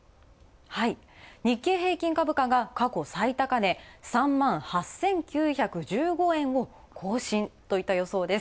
日経平均株価が過去最高値、３万８９１５円を更新といった予想です。